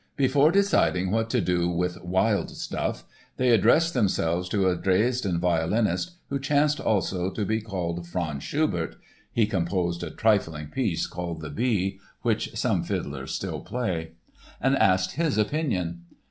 Before deciding what to do with "wild stuff" they addressed themselves to a Dresden violinist who chanced also to be called Franz Schubert (he composed a trifling piece called The Bee, which some fiddlers still play) and asked his opinion.